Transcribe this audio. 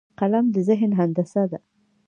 قلم د ذهن هندسه ده